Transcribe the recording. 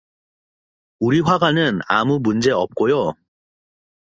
우리 화가는 아무 문제 없고요.